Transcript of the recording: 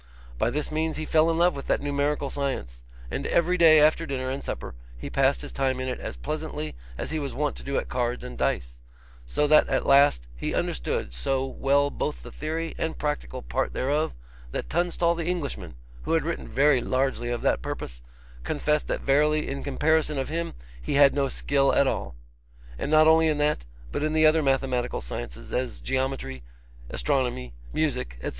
By this means he fell in love with that numerical science, and every day after dinner and supper he passed his time in it as pleasantly as he was wont to do at cards and dice; so that at last he understood so well both the theory and practical part thereof, that Tunstall the Englishman, who had written very largely of that purpose, confessed that verily in comparison of him he had no skill at all. And not only in that, but in the other mathematical sciences, as geometry, astronomy, music, &c.